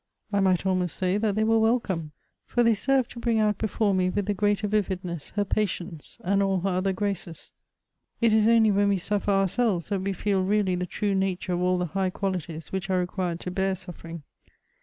I might almost say that they were welcome; for they serve to bring out before me with the greater viv idness her patience and all her other graces. It is only when we suffer ourselves, that we feel really the true nature of all the high qualities which are required to bear suffering."